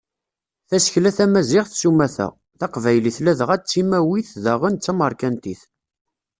Tasekla tamaziɣt s umata, taqbaylit ladɣa d timawit daɣen d tamerkantit.